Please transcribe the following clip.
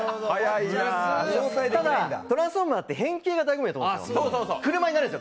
ただ、「トランスフォーマー」って変形が大事だと思うんですよ。